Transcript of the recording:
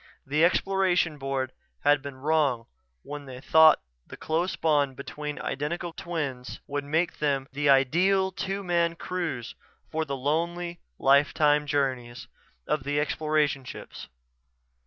The Exploration Board had been wrong when they thought the close bond between identical twins would make them the ideal two man crews for the lonely, lifetime journeys of the Exploration Ships.